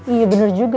iya bener juga